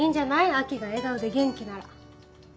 亜季が笑顔で元気なら。